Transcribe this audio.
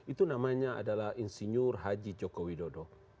itu namanya adalah insinyur haji joko widodo